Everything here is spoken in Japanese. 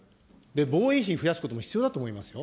防衛費増やすことも必要だと思いますよ。